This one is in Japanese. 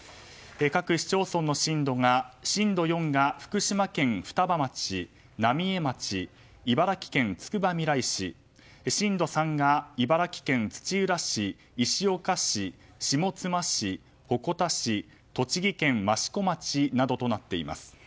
各市町村の震度が震度４が福島県双葉町、浪江町茨城県つくばみらい市震度３が茨城県土浦市石岡市、下妻市鉾田市栃木県益子町などとなっています。